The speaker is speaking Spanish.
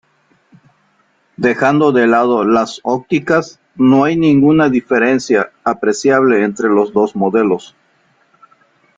Dejando de lado las ópticas, no hay ninguna diferencia apreciable entre los dos modelos.